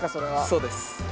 そうです。